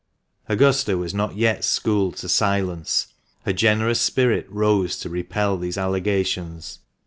Augusta was not yet schooled to silence ; her generous spirit rose to repel these allegations.